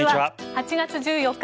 ８月１４日